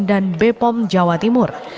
dan bepom jawa timur